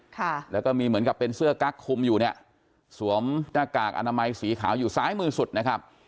ค่ะแล้วก็มีเหมือนกับเป็นเสื้อกั๊กคุมอยู่เนี่ยสวมหน้ากากอนามัยสีขาวอยู่ซ้ายมือสุดนะครับ